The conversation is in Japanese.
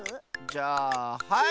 じゃあはい！